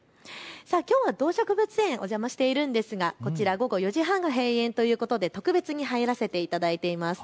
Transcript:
きょうは動植物園にお邪魔しているんですがこちら午後４時半が閉園ということで特別に入らせていただいています。